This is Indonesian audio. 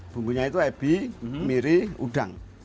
bumbunya itu epi miri udang